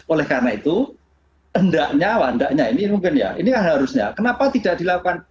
oleh karena itu hendaknya wandaknya ini mungkin ya ini kan harusnya kenapa tidak dilakukan